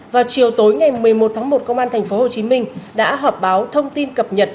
vào chiều tối ngày một mươi một tháng một công an tp hcm đã họp báo thông tin cập nhật